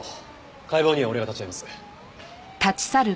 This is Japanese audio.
解剖には俺が立ち会います。